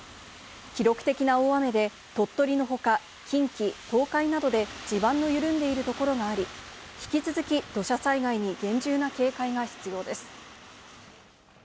記録的な大雨で鳥取の他、近畿、東海などで地盤の緩んでいるところがあり、引き続き、土砂災害に厳重な警戒が必要です。